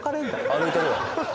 歩いてるわ